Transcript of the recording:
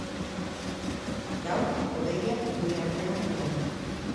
Gaur, hodeiak gure artean dira.